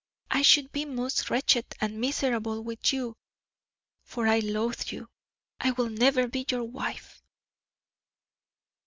I should be most wretched and miserable with you, for I loathe you. I will never be your wife."